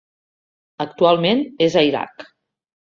Actualment és a Iraq.